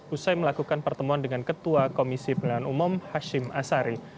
usai melakukan pertemuan dengan ketua komisi pemilihan umum hashim asari